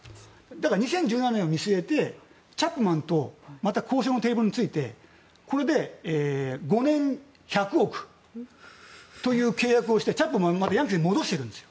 だから２０１７年を見据えてチャップマンとまた交渉のテーブルについてこれで５年で１００億円という契約をしてチャップマンをヤンキースに戻してるんです。